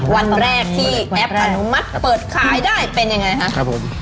วันแรกที่แอปอนุมัติเปิดขายได้เป็นยังไงครับผม